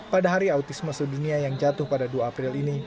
pada hari autisme sedunia yang jatuh pada dua april ini